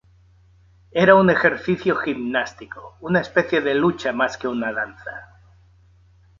Era un ejercicio gimnástico, una especie de lucha más que una danza.